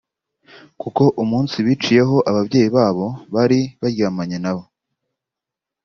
kuko umunsi biciyeho ababyeyi babo bari baryamanye nabo